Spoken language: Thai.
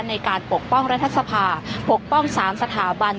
ปกป้องรัฐสภาปกป้อง๓สถาบัน